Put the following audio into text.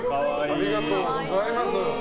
ありがとうございます。